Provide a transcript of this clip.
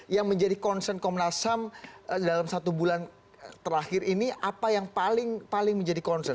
yang menjadi concern komnas ham dalam satu bulan terakhir ini apa yang paling menjadi concern